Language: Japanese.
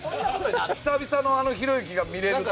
久々のあのひろゆきが見れると。